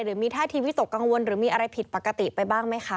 หรือมีท่าทีวิตกกังวลหรือมีอะไรผิดปกติไปบ้างไหมคะ